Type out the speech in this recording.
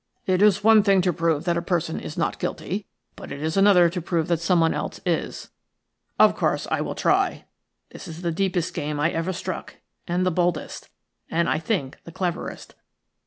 "It is one thing to prove that a person is not guilty, but it is another thing to prove that someone else is. Of course, I will try. This is the deepest game I ever struck, and the boldest, and I think the cleverest.